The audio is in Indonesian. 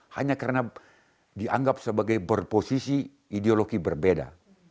hanya karena dianggap sebagai berposisi ideologi berbeda